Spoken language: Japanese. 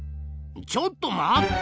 ちょっと待った！